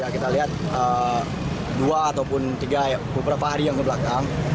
kita lihat dua ataupun tiga beberapa hari yang kebelakang